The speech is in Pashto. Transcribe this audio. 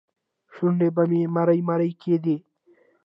شونډې به مې مرۍ مرۍ کېدې.